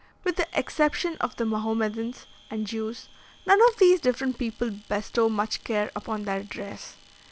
With the exception of the Mahomedans and Jews, none of these different people bestow much care upon their dress.